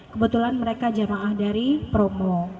kebetulan mereka jemaah dari promo